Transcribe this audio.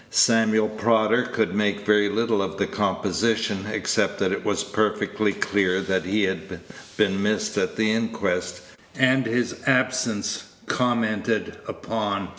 Samuel Prodder could make very little of the composition, except that it was perfectly clear he had been missed at the inquest, and his absence commented upon.